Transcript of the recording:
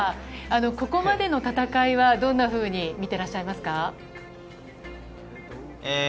ここまでの戦いはどんなふうに見ていらっしゃいますか？